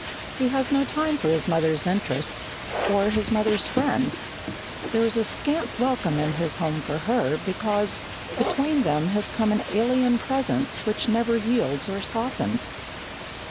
He has no time for his mother's interests or his mother's friends; there is scant welcome in his home for her, because between them has come an alien presence which never yields or softens.